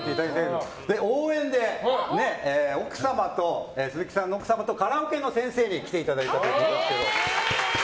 応援で鈴木さんの奥様とカラオケの先生に来ていただいたということです。